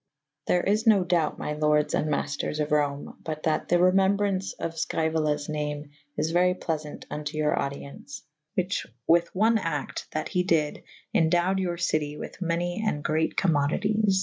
There is no doubte my lordes and mayfters of Rome : but that the remembraunce of Sceuolas name is very pleafant vnto your audi ence / whiche with one acte that he dyd / endewed your citie with many & greate cowzmodyties.